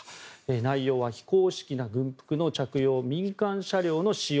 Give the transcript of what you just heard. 内容は非公式な軍服の着用民間車両の使用